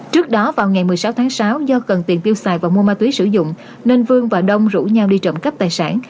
trước đó vào ngày một mươi sáu tháng sáu do cần tiền tiêu xài và mua ma túy sử dụng nên vương và đông rủ nhau đi trộm cắp tài sản